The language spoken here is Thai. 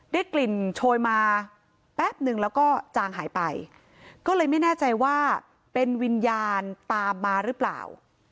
ได้กลิ่นโชยมาแป๊บนึงแล้วก็จางหายไปก็เลยไม่แน่ใจว่าเป็นวิญญาณตามมาหรือเปล่า